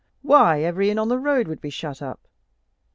"Why, every inn on the road would be shut up!"